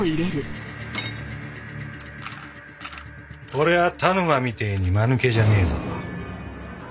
俺は田沼みてえにまぬけじゃねえぞ。